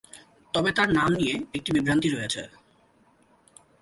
তবে তার নাম নিয়ে একটি বিভ্রান্তি রয়েছে।